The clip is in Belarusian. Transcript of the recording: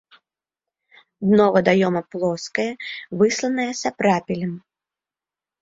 Дно вадаёма плоскае, высланае сапрапелем.